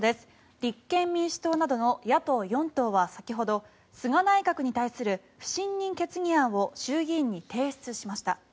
立憲民主党など野党４党は先ほど、菅内閣に対する不信任決議案を衆議院に提出しました。